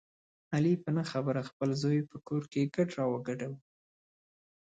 علي په نه خبره خپل زوی په کور کې ګرد را وګډولو.